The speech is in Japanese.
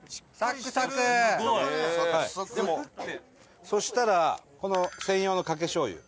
伊達：そしたらこの専用のかけしょうゆ。